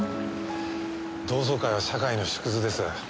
同窓会は社会の縮図です。